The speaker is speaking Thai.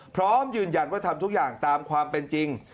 พร้อมยืนยันว่าทำทุกอย่างตามความเป็นจริง